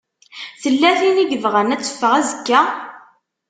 Tella tin i yebɣan ad teffeɣ azekka?